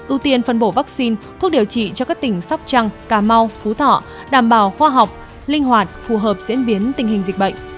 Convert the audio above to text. ưu tiên phân bổ vaccine thuốc điều trị cho các tỉnh sóc trăng cà mau phú thọ đảm bảo khoa học linh hoạt phù hợp diễn biến tình hình dịch bệnh